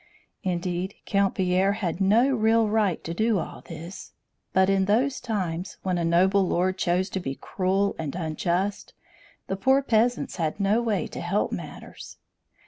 Indeed, Count Pierre had no real right to do all this; but in those times, when a noble lord chose to be cruel and unjust, the poor peasants had no way to help matters.